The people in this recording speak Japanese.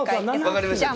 分かりました。